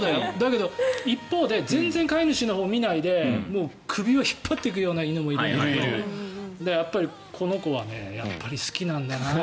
一方で全然飼い主のほうを見ないで首を引っ張っていくような犬もいるんだけどこの子はやっぱり好きなんだな。